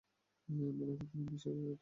মূলত এসব বিষয়ে তার তেমন আগ্রহ ছিল না।